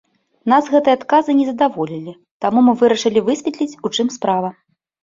Нас гэтыя адказы не задаволілі, таму мы вырашылі высветліць, у чым справа.